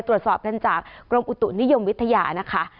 ตรวจสอบกันจากกรมอุตุนิยมวิทยานะคะ